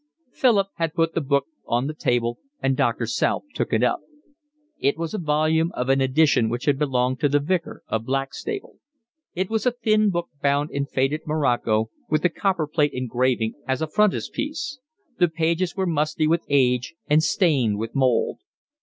Philip had put the book down on the table, and Doctor South took it up. It was a volume of an edition which had belonged to the Vicar of Blackstable. It was a thin book bound in faded morocco, with a copperplate engraving as a frontispiece; the pages were musty with age and stained with mould.